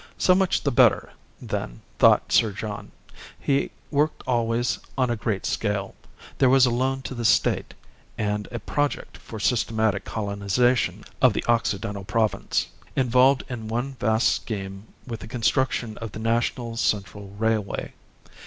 So much the better, then, thought Sir John. He worked always on a great scale; there was a loan to the State, and a project for systematic colonization of the Occidental Province, involved in one vast scheme with the construction of the National Central Railway.